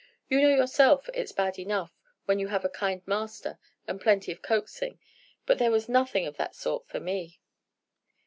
You know yourself it's bad enough when you have a kind master and plenty of coaxing, but there was nothing of that sort for me.